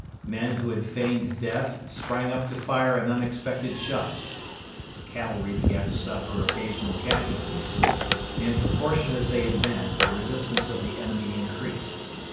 Men who had feigned death sprang up to fire an unexpected shot. The cavalry began to suffer occasional casualties. In proportion as they advanced the resistance of the enemy increased.